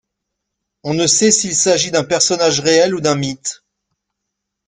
On ne sait s'il s'agit d'un personnage réel ou d'un mythe.